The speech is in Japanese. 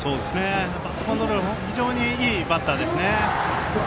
バットコントロール非常にいいバッターですね。